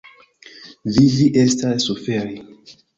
Vivi estas suferi.